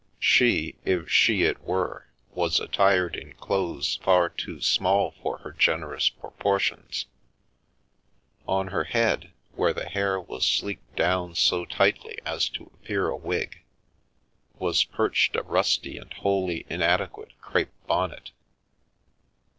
She, if " she " it were, was attired in clothes far too small for her generous proportions; on her head, where the hair was sleeked down so tightly as to appear a wig, was perched a rusty and wholly inadequate crape bonnet.